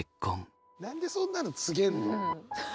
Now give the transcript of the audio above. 何でそんなの告げるの？